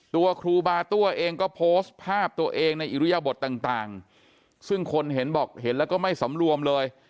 ครูบาตั้วเองก็โพสต์ภาพตัวเองในอิริยบทต่างซึ่งคนเห็นบอกเห็นแล้วก็ไม่สำรวมเลย